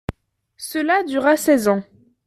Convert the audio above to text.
Cela dura seize ans.